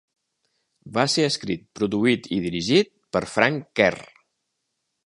Va ser escrit, produït i dirigit per Frank Kerr.